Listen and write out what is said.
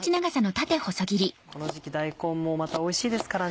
この時期大根もまたおいしいですからね。